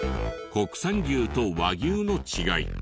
国産牛と和牛の違い。